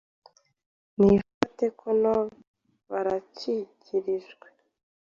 Nifate kuno baracikirijwe